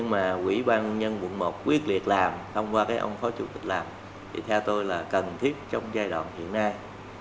mà quỹ ban nhân quận một quyết liệt làm thông qua cái ông phó chủ tịch làm thì theo tôi là cần thiết trong giai đoạn hiện nay